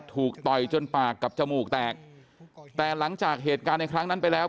ต่อยจนปากกับจมูกแตกแต่หลังจากเหตุการณ์ในครั้งนั้นไปแล้ว